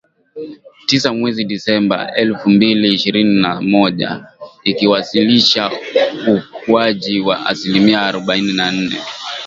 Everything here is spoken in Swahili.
Tisa mwezi Disemba elfu mbili ishirini na moja , ikiwasilisha ukuaji wa asilimia arubaini na nne